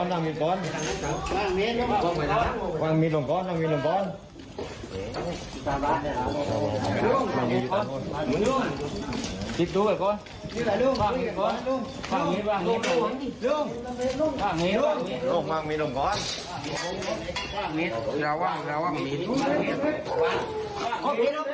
ลูกล้องล่ะลูก